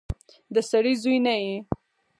د سړي زوی نه يې.